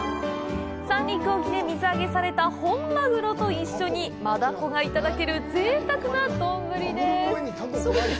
三陸沖で水揚げされた本マグロと一緒にマダコがいただけるぜいたくな丼です。